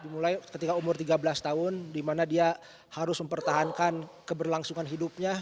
dimulai ketika umur tiga belas tahun di mana dia harus mempertahankan keberlangsungan hidupnya